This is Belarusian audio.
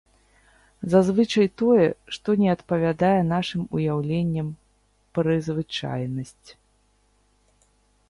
Зазвычай тое, што не адпавядае нашым уяўленням пры звычайнасць.